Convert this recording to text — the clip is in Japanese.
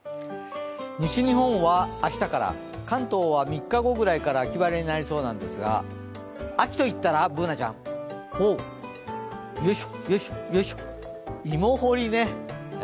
西日本は明日から、関東は３日後ぐらいから秋晴れになりそうなんですが秋といったら、Ｂｏｏｎａちゃん？芋掘りね。